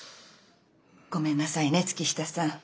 ごめんなさいね月下さん。